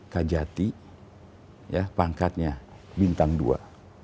kejati ya pangkatnya bintang dua